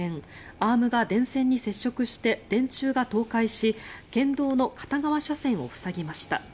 アームが電線に接触して電柱が倒壊し県道の片側車線を塞ぎました。